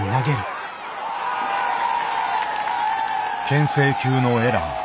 けん制球のエラー。